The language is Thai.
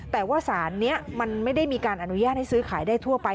แต่ว่าสารนี้มันไม่ได้มีการอนุญาตให้ซื้อขายได้ทั่วไป